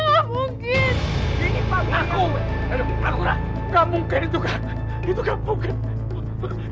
gak mungkin itu gak mungkin